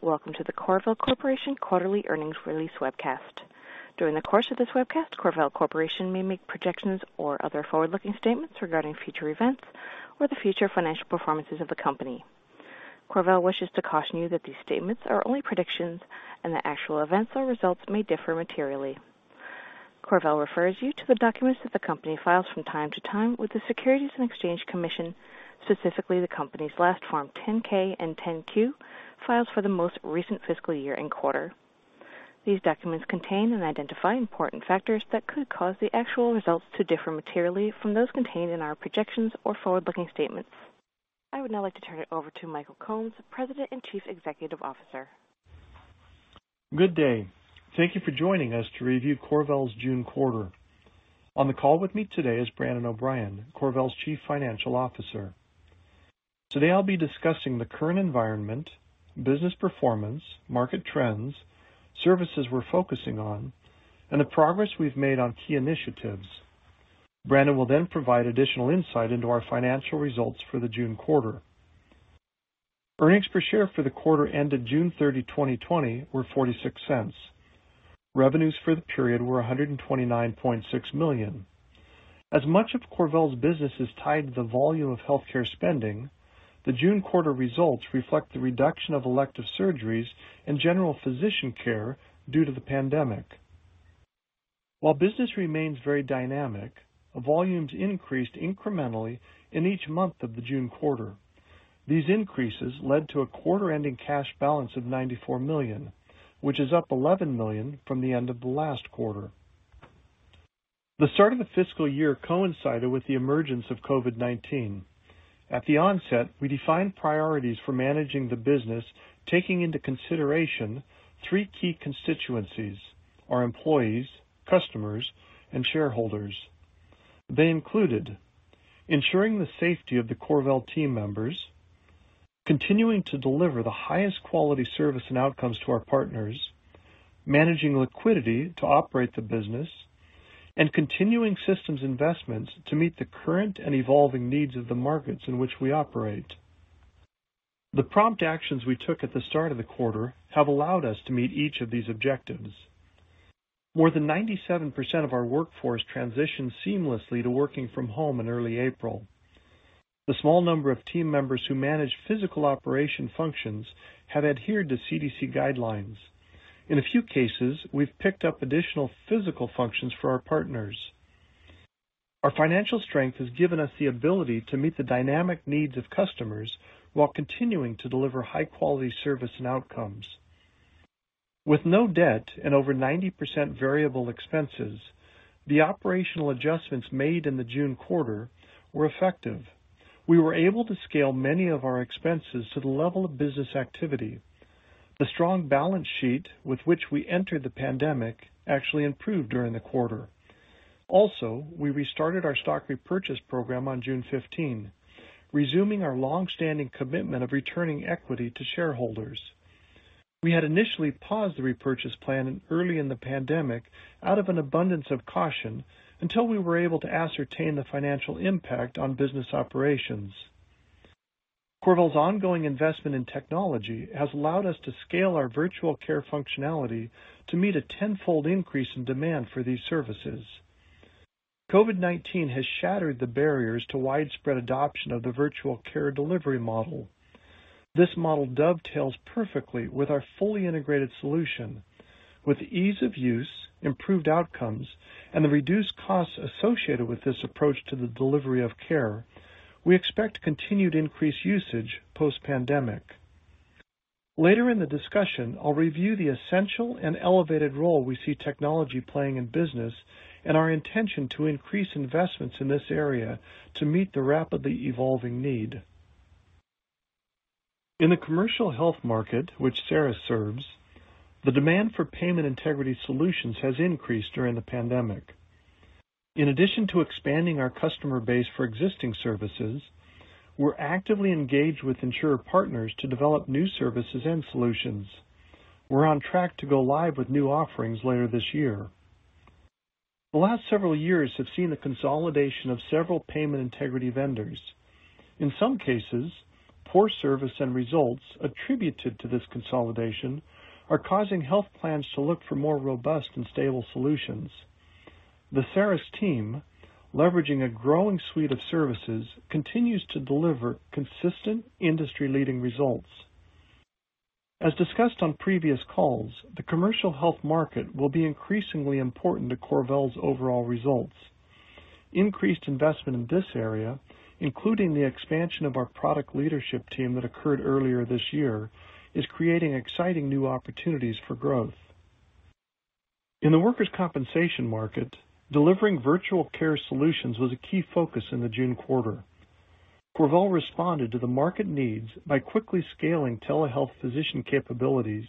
Welcome to the CorVel Corporation quarterly earnings release webcast. During the course of this webcast, CorVel Corporation may make projections or other forward-looking statements regarding future events or the future financial performances of the company. CorVel wishes to caution you that these statements are only predictions, and that actual events or results may differ materially. CorVel refers you to the documents that the company files from time to time with the Securities and Exchange Commission, specifically the company's last Form 10-K and 10-Q files for the most recent fiscal year and quarter. These documents contain and identify important factors that could cause the actual results to differ materially from those contained in our projections or forward-looking statements. I would now like to turn it over to Michael Combs, President and Chief Executive Officer. Good day. Thank you for joining us to review CorVel's June quarter. On the call with me today is Brandon O'Brien, CorVel's Chief Financial Officer. Today I'll be discussing the current environment, business performance, market trends, services we're focusing on, and the progress we've made on key initiatives. Brandon will then provide additional insight into our financial results for the June quarter. Earnings per share for the quarter ended June 30, 2020 were $0.46. Revenues for the period were $129.6 million. As much of CorVel's business is tied to the volume of healthcare spending, the June quarter results reflect the reduction of elective surgeries and general physician care due to the pandemic. While business remains very dynamic, volumes increased incrementally in each month of the June quarter. These increases led to a quarter-ending cash balance of $94 million, which is up $11 million from the end of the last quarter. The start of the fiscal year coincided with the emergence of COVID-19. At the onset, we defined priorities for managing the business, taking into consideration three key constituencies: our employees, customers, and shareholders. They included ensuring the safety of the CorVel team members, continuing to deliver the highest quality service and outcomes to our partners, managing liquidity to operate the business, and continuing systems investments to meet the current and evolving needs of the markets in which we operate. The prompt actions we took at the start of the quarter have allowed us to meet each of these objectives. More than 97% of our workforce transitioned seamlessly to working from home in early April. The small number of team members who manage physical operation functions have adhered to CDC guidelines. In a few cases, we've picked up additional physical functions for our partners. Our financial strength has given us the ability to meet the dynamic needs of customers while continuing to deliver high-quality service and outcomes. With no debt and over 90% variable expenses, the operational adjustments made in the June quarter were effective. We were able to scale many of our expenses to the level of business activity. The strong balance sheet with which we entered the pandemic actually improved during the quarter. Also, we restarted our stock repurchase program on June 15, resuming our longstanding commitment of returning equity to shareholders. We had initially paused the repurchase plan early in the pandemic out of an abundance of caution until we were able to ascertain the financial impact on business operations. CorVel's ongoing investment in technology has allowed us to scale our virtual care functionality to meet a tenfold increase in demand for these services. COVID-19 has shattered the barriers to widespread adoption of the virtual care delivery model. This model dovetails perfectly with our fully integrated solution. With ease of use, improved outcomes, and the reduced costs associated with this approach to the delivery of care, we expect continued increased usage post-pandemic. Later in the discussion, I'll review the essential and elevated role we see technology playing in business and our intention to increase investments in this area to meet the rapidly evolving need. In the commercial health market, which CERIS serves, the demand for payment integrity solutions has increased during the pandemic. In addition to expanding our customer base for existing services, we're actively engaged with insurer partners to develop new services and solutions. We're on track to go live with new offerings later this year. The last several years have seen the consolidation of several payment integrity vendors. In some cases, poor service and results attributed to this consolidation are causing health plans to look for more robust and stable solutions. The CERIS team, leveraging a growing suite of services, continues to deliver consistent industry-leading results. As discussed on previous calls, the commercial health market will be increasingly important to CorVel's overall results. Increased investment in this area, including the expansion of our product leadership team that occurred earlier this year, is creating exciting new opportunities for growth. In the workers' compensation market, delivering virtual care solutions was a key focus in the June quarter. CorVel responded to the market needs by quickly scaling telehealth physician capabilities,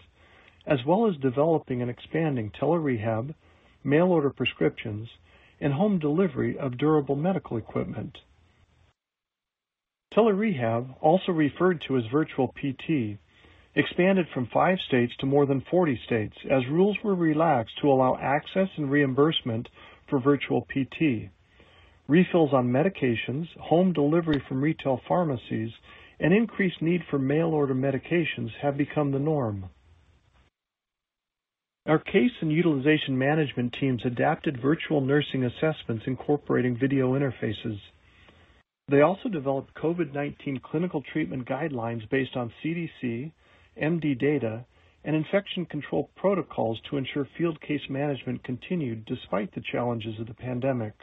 as well as developing and expanding tele-rehab, mail order prescriptions, and home delivery of durable medical equipment. Tele-rehab, also referred to as virtual PT, expanded from five states to more than 40 states as rules were relaxed to allow access and reimbursement for virtual PT. Refills on medications, home delivery from retail pharmacies, and increased need for mail order medications have become the norm. Our case and utilization management teams adapted virtual nursing assessments incorporating video interfaces. They also developed COVID-19 clinical treatment guidelines based on CDC, MD data, and infection control protocols to ensure field case management continued despite the challenges of the pandemic.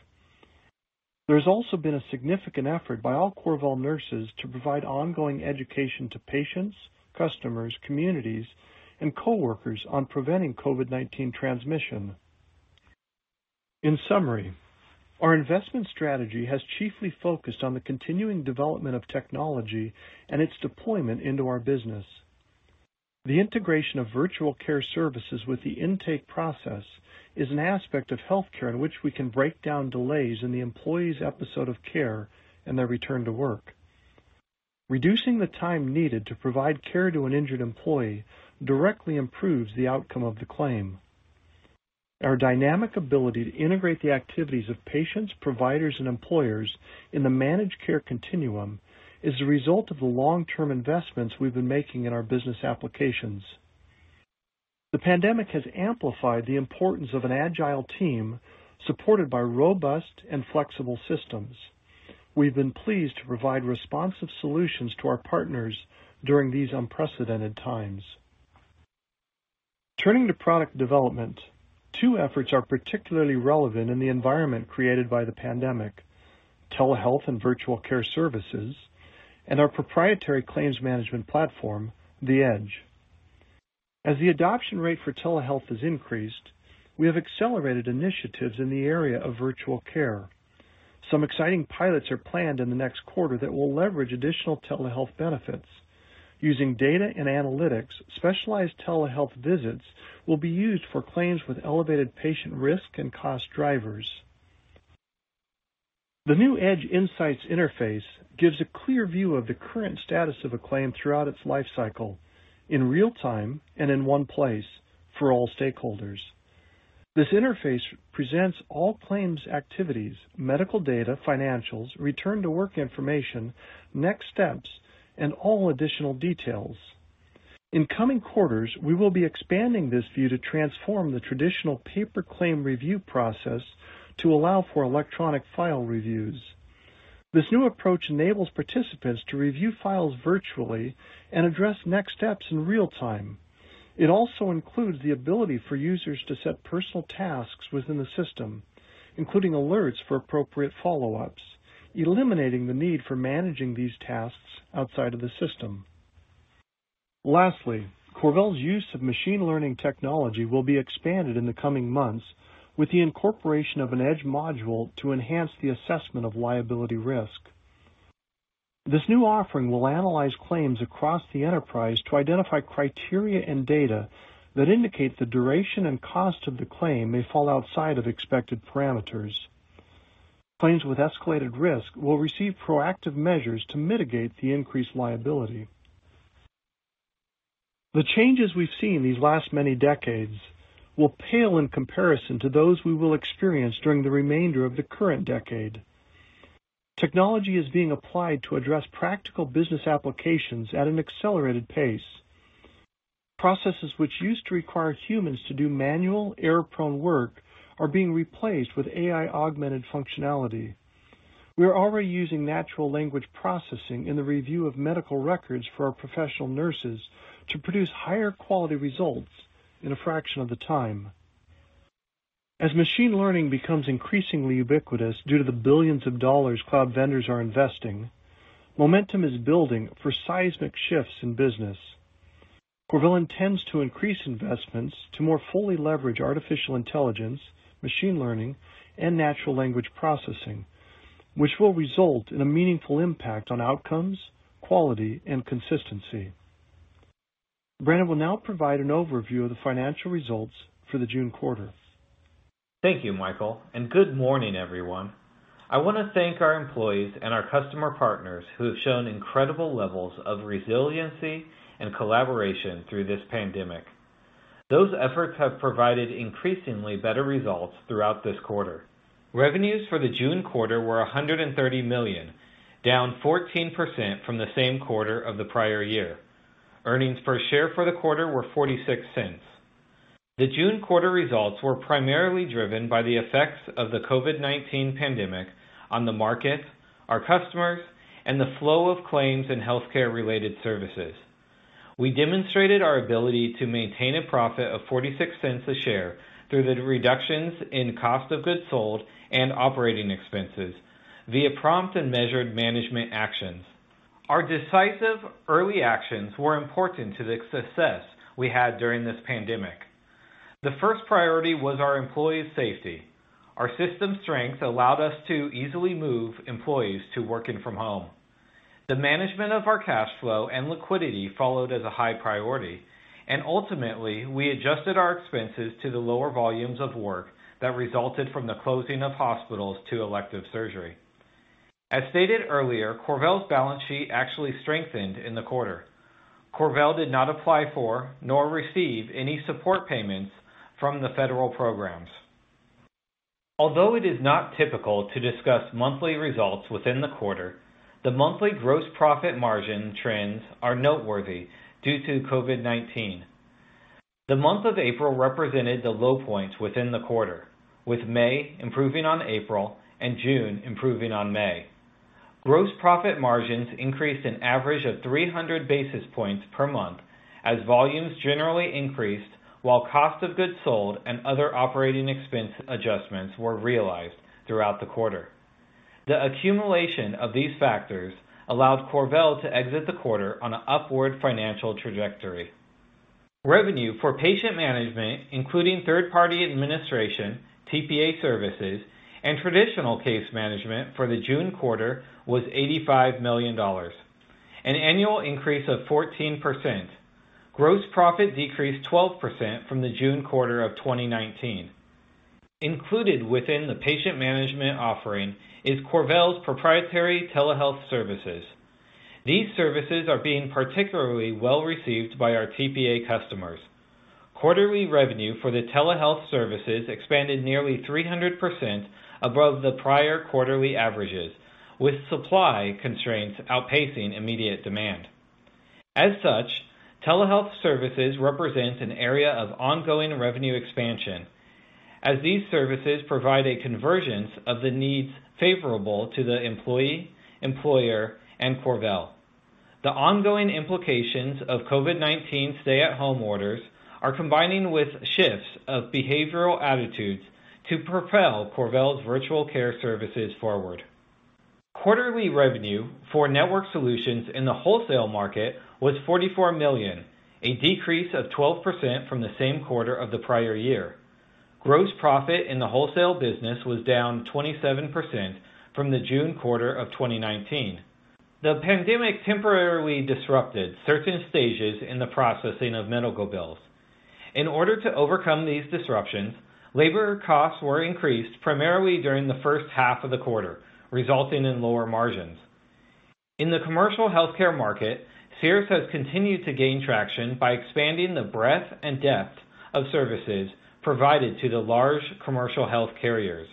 There's also been a significant effort by all CorVel nurses to provide ongoing education to patients, customers, communities, and coworkers on preventing COVID-19 transmission. In summary, our investment strategy has chiefly focused on the continuing development of technology and its deployment into our business. The integration of virtual care services with the intake process is an aspect of healthcare in which we can break down delays in the employee's episode of care and their return to work. Reducing the time needed to provide care to an injured employee directly improves the outcome of the claim. Our dynamic ability to integrate the activities of patients, providers, and employers in the managed care continuum is the result of the long-term investments we've been making in our business applications. The pandemic has amplified the importance of an agile team supported by robust and flexible systems. We've been pleased to provide responsive solutions to our partners during these unprecedented times. Turning to product development, two efforts are particularly relevant in the environment created by the pandemic, telehealth and virtual care services, and our proprietary claims management platform, The Edge. As the adoption rate for telehealth has increased, we have accelerated initiatives in the area of virtual care. Some exciting pilots are planned in the next quarter that will leverage additional telehealth benefits. Using data and analytics, specialized telehealth visits will be used for claims with elevated patient risk and cost drivers. The new Edge Insights interface gives a clear view of the current status of a claim throughout its life cycle in real time and in one place for all stakeholders. This interface presents all claims activities, medical data, financials, return to work information, next steps, and all additional details. In coming quarters, we will be expanding this view to transform the traditional paper claim review process to allow for electronic file reviews. This new approach enables participants to review files virtually and address next steps in real time. It also includes the ability for users to set personal tasks within the system, including alerts for appropriate follow-ups, eliminating the need for managing these tasks outside of the system. Lastly, CorVel's use of machine learning technology will be expanded in the coming months with the incorporation of an Edge module to enhance the assessment of liability risk. This new offering will analyze claims across the enterprise to identify criteria and data that indicate the duration and cost of the claim may fall outside of expected parameters. Claims with escalated risk will receive proactive measures to mitigate the increased liability. The changes we've seen these last many decades will pale in comparison to those we will experience during the remainder of the current decade. Technology is being applied to address practical business applications at an accelerated pace. Processes which used to require humans to do manual, error-prone work are being replaced with AI-augmented functionality. We are already using natural language processing in the review of medical records for our professional nurses to produce higher quality results in a fraction of the time. As machine learning becomes increasingly ubiquitous due to the billions of dollars cloud vendors are investing, momentum is building for seismic shifts in business. CorVel intends to increase investments to more fully leverage artificial intelligence, machine learning, and natural language processing, which will result in a meaningful impact on outcomes, quality, and consistency. Brandon will now provide an overview of the financial results for the June quarter. Thank you, Michael, and good morning, everyone. I want to thank our employees and our customer partners who have shown incredible levels of resiliency and collaboration through this pandemic. Those efforts have provided increasingly better results throughout this quarter. Revenues for the June quarter were $130 million, down 14% from the same quarter of the prior year. Earnings per share for the quarter were $0.46. The June quarter results were primarily driven by the effects of the COVID-19 pandemic on the markets, our customers, and the flow of claims and healthcare-related services. We demonstrated our ability to maintain a profit of $0.46 a share through the reductions in cost of goods sold and operating expenses via prompt and measured management actions. Our decisive early actions were important to the success we had during this pandemic. The first priority was our employees' safety. Our system strength allowed us to easily move employees to working from home. The management of our cash flow and liquidity followed as a high priority, and ultimately, we adjusted our expenses to the lower volumes of work that resulted from the closing of hospitals to elective surgery. As stated earlier, CorVel's balance sheet actually strengthened in the quarter. CorVel did not apply for, nor receive any support payments from the federal programs. Although it is not typical to discuss monthly results within the quarter, the monthly gross profit margin trends are noteworthy due to COVID-19. The month of April represented the low points within the quarter, with May improving on April and June improving on May. Gross profit margins increased an average of 300 basis points per month as volumes generally increased while cost of goods sold and other operating expense adjustments were realized throughout the quarter. The accumulation of these factors allowed CorVel to exit the quarter on an upward financial trajectory. Revenue for patient management, including third-party administration, TPA services, and traditional case management for the June quarter was $85 million, an annual increase of 14%. Gross profit decreased 12% from the June quarter of 2019. Included within the patient management offering is CorVel's proprietary telehealth services. These services are being particularly well-received by our TPA customers. Quarterly revenue for the telehealth services expanded nearly 300% above the prior quarterly averages, with supply constraints outpacing immediate demand. As such, telehealth services represent an area of ongoing revenue expansion, as these services provide a convergence of the needs favorable to the employee, employer, and CorVel. The ongoing implications of COVID-19 stay-at-home orders are combining with shifts of behavioral attitudes to propel CorVel's virtual care services forward. Quarterly revenue for network solutions in the wholesale market was $44 million, a decrease of 12% from the same quarter of the prior year. Gross profit in the wholesale business was down 27% from the June quarter of 2019. The pandemic temporarily disrupted certain stages in the processing of medical bills. In order to overcome these disruptions, labor costs were increased primarily during the first half of the quarter, resulting in lower margins. In the commercial healthcare market, CERIS has continued to gain traction by expanding the breadth and depth of services provided to the large commercial health carriers.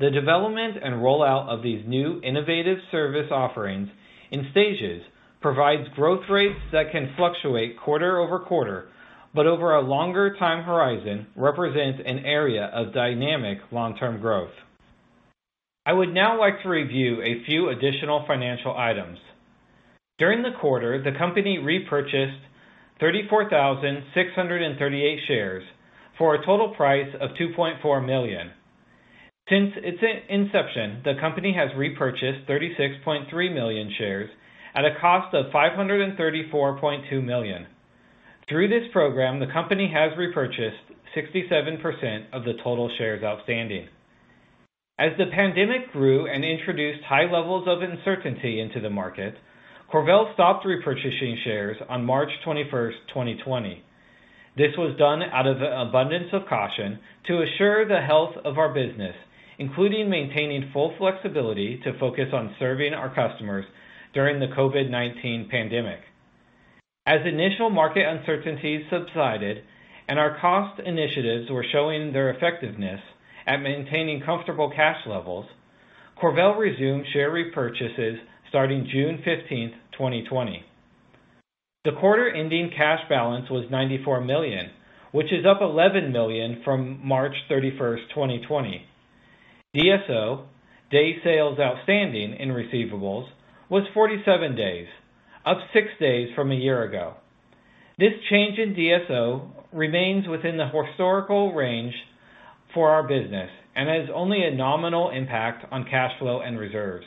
The development and rollout of these new innovative service offerings in stages provides growth rates that can fluctuate quarter-over-quarter, but over a longer time horizon represents an area of dynamic long-term growth. I would now like to review a few additional financial items. During the quarter, the company repurchased 34,638 shares for a total price of $2.4 million. Since its inception, the company has repurchased 36.3 million shares at a cost of $534.2 million. Through this program, the company has repurchased 67% of the total shares outstanding. As the pandemic grew and introduced high levels of uncertainty into the market, CorVel stopped repurchasing shares on March 21st, 2020. This was done out of an abundance of caution to assure the health of our business, including maintaining full flexibility to focus on serving our customers during the COVID-19 pandemic. As initial market uncertainties subsided and our cost initiatives were showing their effectiveness at maintaining comfortable cash levels, CorVel resumed share repurchases starting June 15th, 2020. The quarter-ending cash balance was $94 million, which is up $11 million from March 31st, 2020. DSO, days sales outstanding in receivables, was 47 days, up six days from a year ago. This change in DSO remains within the historical range for our business and has only a nominal impact on cash flow and reserves.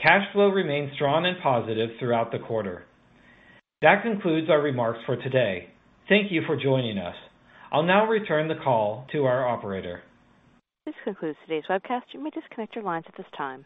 Cash flow remained strong and positive throughout the quarter. That concludes our remarks for today. Thank you for joining us. I'll now return the call to our operator. This concludes today's webcast. You may disconnect your lines at this time.